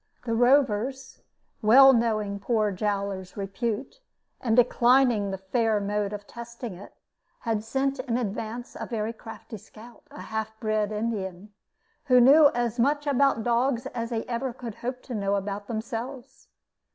The Rovers, well knowing poor Jowler's repute, and declining the fair mode of testing it, had sent in advance a very crafty scout, a half bred Indian, who knew as much about dogs as they could ever hope to know about themselves.